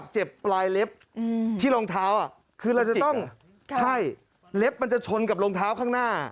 ใช่เล็บมันจะชนกับรองเท้าข้างหน้า